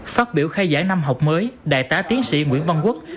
phát biểu khai giảng năm học mới đại tá tiến sĩ nguyễn văn quốc